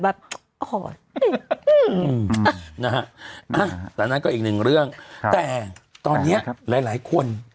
นะฮะแต่นั่นก็อีกหนึ่งเรื่องแต่ตอนเนี้ยหลายหลายคน